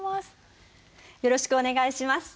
よろしくお願いします！